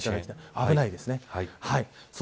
危ないです。